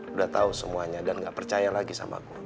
udah tau semuanya dan gak percaya lagi sama gue